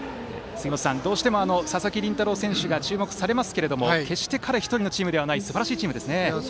どうしても、佐々木麟太郎選手が注目されますけれども、決して彼１人のチームではないすばらしいチームですね。